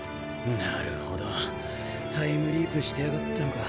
なるほどタイムリープしてやがったのか。